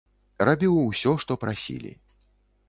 Рабіў усё, што прасілі.